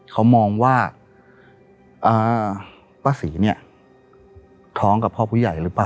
เขามองว่าป้าศรีเนี่ยท้องกับพ่อผู้ใหญ่หรือเปล่า